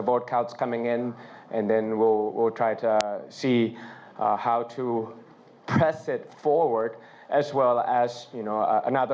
มันจะสม่องเข้าใต้ในเรื่องการไพริเทิง